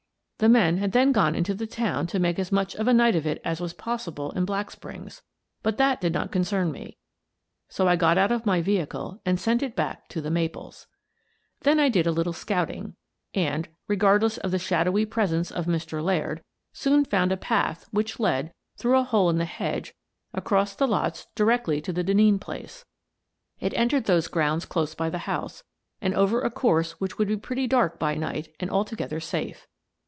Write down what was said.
The men had then gone into the town to make as much of a night of it as was possible in Black Springs, but that did not concern me, so I got out of my vehicle and sent it back to " The Maples." Then I did a little scouting and — regardless of the shadowy presence of Mr. Laird — soon found a path which led, through a hole in the hedge, across lots directly to the Denneen place. It entered those grounds close by the house, and over a course which would be pretty dark by night and altogether safe.